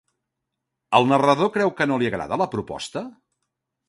El narrador creu que no li agrada la proposta?